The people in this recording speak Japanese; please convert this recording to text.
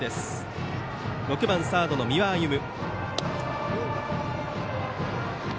打席は６番サードの三輪歩夢。